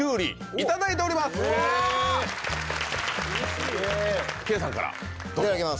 いただきます